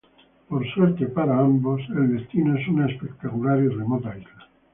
Por suerte de ambos, el destino es una espectacular y remota isla.